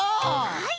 はい。